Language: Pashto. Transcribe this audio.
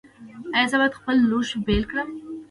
ایا زه باید خپل لوښي بیل کړم؟